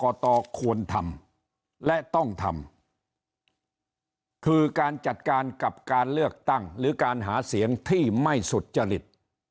ตควรทำและต้องทำคือการจัดการกับการเลือกตั้งหรือการหาเสียงที่ไม่สุจริต